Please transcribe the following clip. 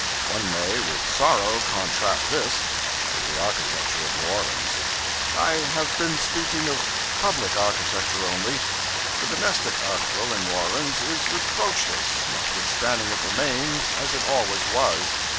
One may with sorrow contrast this with the architecture of New Orleans. I have been speaking of public architecture only. The domestic article in New Orleans is reproachless, notwithstanding it remains as it always was.